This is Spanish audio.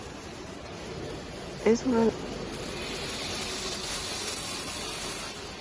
Es una de las tres grandes regiones tradicionales de Suecia.